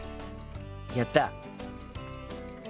やった。